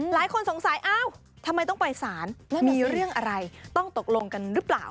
หลายคนสงสัยอ้าวทำไมต้องไปสารแล้วมีเรื่องอะไรต้องตกลงกันหรือเปล่า